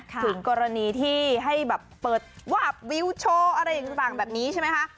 ถึงกรณีที่ให้แบบเปิดวาบวิวโชว์อะไรต่างแบบนี้ใช่ไหมคะ